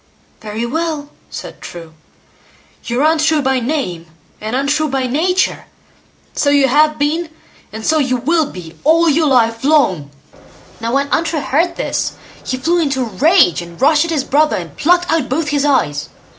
"Very well!" said True, "you're Untrue by name and untrue by nature; so you have been, and so you will be all your life long." Now when Untrue heard this, he flew into a rage, and rushed at his brother, and plucked out both his eyes.